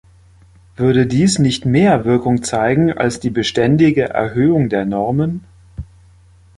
Würde dies nicht mehr Wirkung zeigen als die beständige Erhöhung der Normen?